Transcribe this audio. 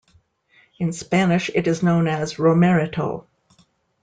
In Spanish it is known as "romerito".